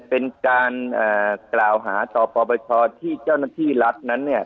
เป็นการกล่าวหาต่อปปชที่เจ้าหน้าที่รัฐนั้นเนี่ย